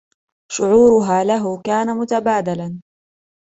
شعورها له كان متبادلاً.